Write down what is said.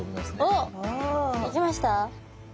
おっ出来ました？